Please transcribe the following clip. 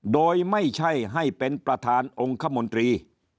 โดยไม่ใช่ให้เป็นประธานองค์คมนตรี